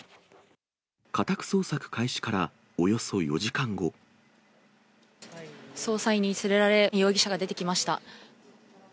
家宅捜索開始からおよそ４時捜査員に連れられ、容疑者が出てきました。